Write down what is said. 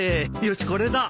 よしこれだ！